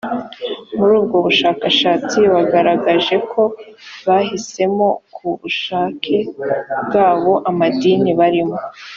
muri ubwo bushakashatsi bagaragaje ko bahisemo ku bushake bwabo amadini barimo